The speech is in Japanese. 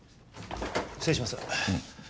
失礼します。